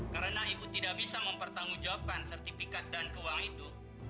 karena ibu tidak bisa mempertanggungjawabkan sertifikat dan keuang itu